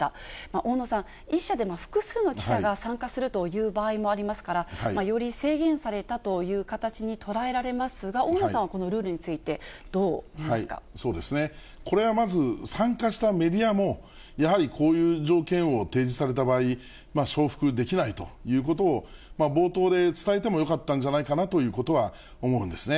大野さん、１社で複数の記者が参加するという場合もありますから、より制限されたという形に捉えられますが、大野さんはこのルールについてどそうですね、これはまず、参加したメディアも、やはりこういう条件を提示された場合、承服できないということを、冒頭で伝えてもよかったんじゃないかなということは思うんですね。